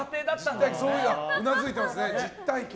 うなずいてますね、実体験。